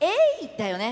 だよね。